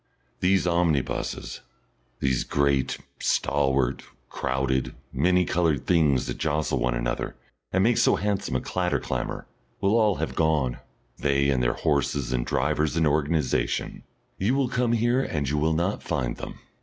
These omnibuses, these great, stalwart, crowded, many coloured things that jostle one another, and make so handsome a clatter clamour, will all have gone; they and their horses and drivers and organisation; you will come here and you will not find them.